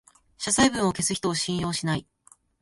謝罪文を消す人を信用しない